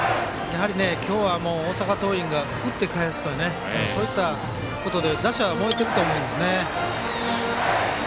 今日は大阪桐蔭が打って返すというねそういったことで打者は燃えていると思うんですね。